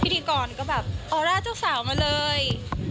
พิธีกรก็แบบออร่าเจ้าสาวมาเลย